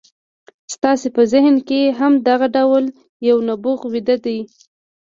ستاسې په ذهن کې هم دغه ډول یو نبوغ ویده دی